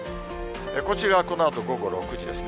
こちらはこのあと午後６時ですね。